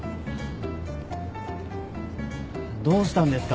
どうしたんですか？